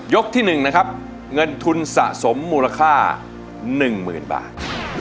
ที่๑นะครับเงินทุนสะสมมูลค่า๑๐๐๐บาท